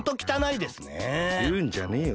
いうんじゃねえよ